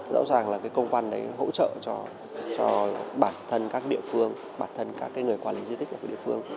rõ ràng là cái công văn đấy hỗ trợ cho bản thân các địa phương bản thân các người quản lý di tích của địa phương